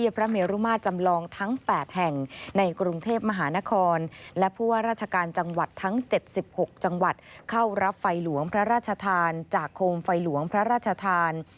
พระเมรุมาตรจำลองทั้ง๘แห่งในกรุงเทพมหานครและผู้ว่าราชการจังหวัดทั้ง๗๖จังหวัดเข้ารับไฟหลวงพระราชทานจากโคมไฟหลวงพระราชทาน